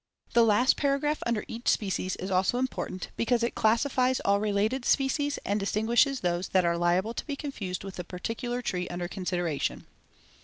The last paragraph under each species is also important because it classifies all related species and distinguishes those that are liable to be confused with the particular tree under consideration.